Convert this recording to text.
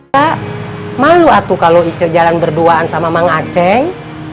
pak malu atuh kalau icet jalan berduaan sama mang aceng